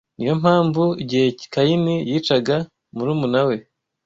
Ni yo mpamvu, igihe Kayini yicaga murumuna we